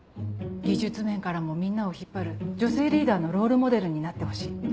技術面からもみんなを引っ張る女性リーダーのロールモデルになってほしい。